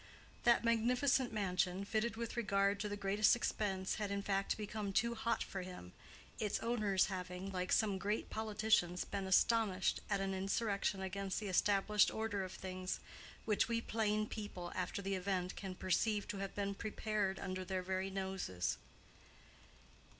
That magnificent mansion, fitted with regard to the greatest expense, had in fact became too hot for him, its owners having, like some great politicians, been astonished at an insurrection against the established order of things, which we plain people after the event can perceive to have been prepared under their very noses.